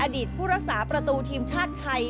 ผู้รักษาประตูทีมชาติไทย